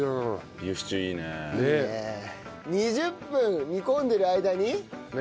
２０分煮込んでる間に。